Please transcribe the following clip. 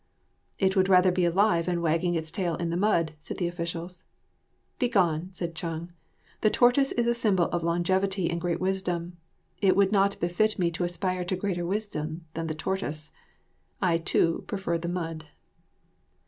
"It would rather be alive and wagging its tail in the mud," said the officials. "Begone" said Chung. "The tortoise is a symbol of longevity and great wisdom. It would not befit me to aspire to greater wisdom than the tortoise. I, too, prefer the mud."